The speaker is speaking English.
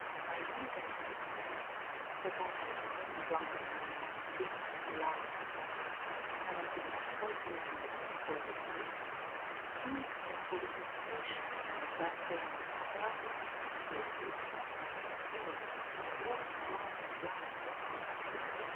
I knew that he was dead ; but I had seen drunken men in the streets lie like that, and I could not help looking about for the policeman. Soon we came to a little station, and the platform was crowded with people who would not stand still, but walked round and round making noises.